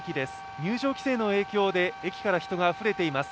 入場規制の影響で、駅から人があふれています。